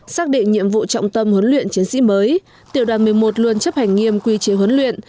xác định nhiệm vụ trọng tâm huấn luyện chiến sĩ mới tiểu đoàn một mươi một luôn chấp hành nghiêm quy chế huấn luyện